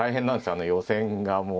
あの予選がもう。